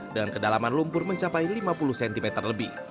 dan kedalaman lumpur mencapai lima puluh cm lebih